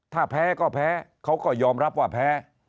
ถ้าแพ้ก็แพ้เขาก็ยอมรับว่าแพ้